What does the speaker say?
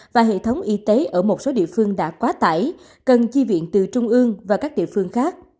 và hệ thống y tế ở một số địa phương đã quá tải cần chi viện từ trung ương và các địa phương khác